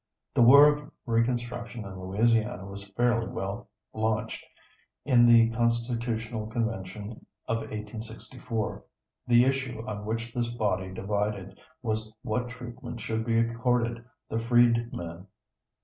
The war of Reconstruction in Louisiana was fairly well launched in the Constitutional Convention of 1864. The issue on which this body divided was what treatment should be accorded the freedmen.